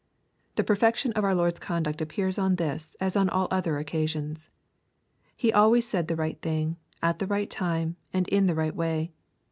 6.) The perfection of our Lord^s con duct appears on this, as on all other occasions. He always said the right thing, at the right time, and in the right way.